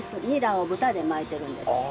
ニラを豚で巻いてるんです。